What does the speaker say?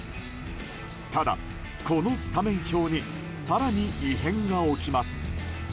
ただ、このスタメン表に更に異変が起きます。